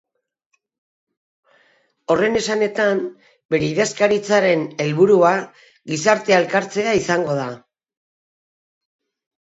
Horren esanetan, bere idazkaritzaren helburua gizartea elkartzea izango da.